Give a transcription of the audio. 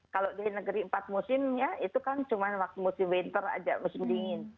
kalau di negeri empat musim ya itu kan cuma waktu musim winter aja musim dingin